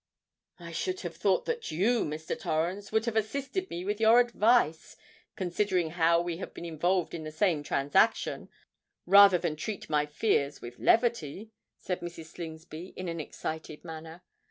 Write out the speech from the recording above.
"I should have thought that you, Mr. Torrens, would have assisted me with your advice—considering how we have been involved in the same transaction—rather than treat my fears with levity," said Mrs. Slingsby, in an excited manner.